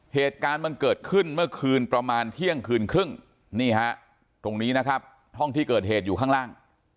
เหตุการณ์มันเกิดขึ้นเมื่อคืนประมาณเที่ยงคืนครึ่งนี่ฮะตรงนี้นะครับห้องที่เกิดเหตุอยู่ข้างล่าง